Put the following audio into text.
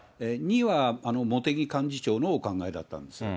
２は茂木幹事長のお考えだったんです。